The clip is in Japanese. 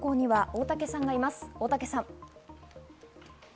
大竹さん。